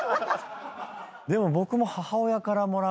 でも僕も。